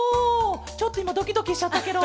ちょっといまドキドキしちゃったケロ。